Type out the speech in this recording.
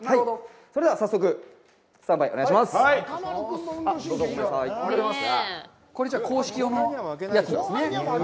それでは、早速、スタンバイをお願いします。